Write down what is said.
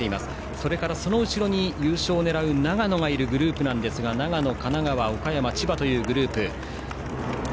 それから、その後ろに優勝を狙う長野がいるグループなんですが長野、神奈川、岡山、千葉というグループ。